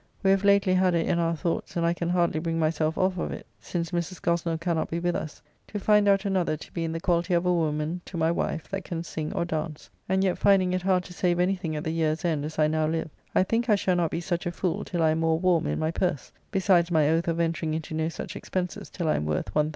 We have lately had it in our thoughts, and I can hardly bring myself off of it, since Mrs. Gosnell cannot be with us, to find out another to be in the quality of a woman to my wife that can sing or dance, and yet finding it hard to save anything at the year's end as I now live, I think I shall not be such a fool till I am more warm in my purse, besides my oath of entering into no such expenses till I am worth L1000.